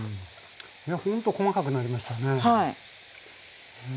ほんと細かくなりましたね。